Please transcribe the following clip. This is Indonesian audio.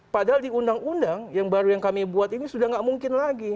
padahal di undang undang yang baru yang kami buat ini sudah tidak mungkin lagi